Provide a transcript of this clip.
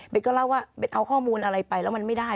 ก็เล่าว่าเอาข้อมูลอะไรไปแล้วมันไม่ได้